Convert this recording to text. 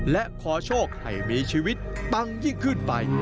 และขอโชคให้มีชีวิตปังยิ่งขึ้นไป